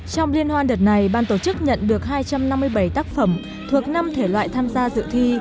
trong liên hoan đợt này ban tổ chức nhận được hai trăm năm mươi bảy tác phẩm thuộc năm thể loại tham gia dự thi